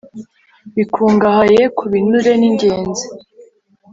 bikungahaye ku binure Ni ingenzi